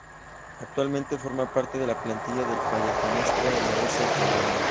Actualmente forma parte de la plantilla del Pallacanestro Varese italiano.